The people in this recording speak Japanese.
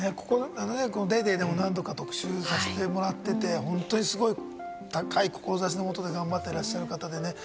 『ＤａｙＤａｙ．』でも何度か特集させてもらっていて、本当にすごい高い志のもとで頑張っていらっしゃる方で。